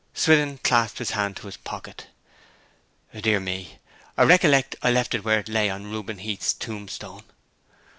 Swithin clapped his hand to his pocket. 'Dear me! I recollect I left it where it lay on Reuben Heath's tombstone.'